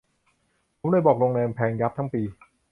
ผมบอกเลยโรงแรมแพงยับทั้งปี